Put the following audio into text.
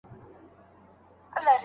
لارښود استاد د مقالې مسوده ګوري.